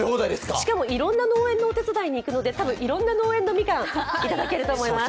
しかも、いろんな農園のお手伝いに行くのでいろんな農園のみかんを頂けると思います。